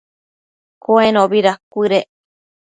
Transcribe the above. Cuenobi dacuëdec